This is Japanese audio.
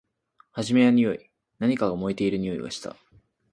はじめはにおい。何かが燃えているにおいがした。